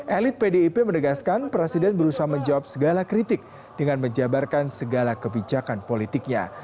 elit pdip menegaskan presiden berusaha menjawab segala kritik dengan menjabarkan segala kebijakan politiknya